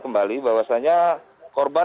kembali bahwasanya korban